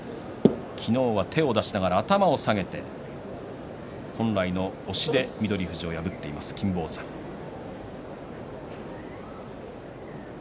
昨日は手を出しながら頭を下げて本来の押しで翠富士を破っている金峰山です。